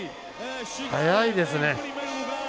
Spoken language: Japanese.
速いですね。